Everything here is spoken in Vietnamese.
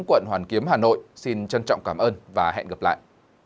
quận hoàn kiếm hà nội xin trân trọng cảm ơn và hẹn gặp lại